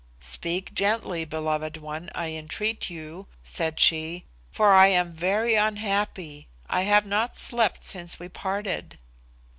"Speak gently, beloved one, I entreat you," said she, "for I am very unhappy. I have not slept since we parted."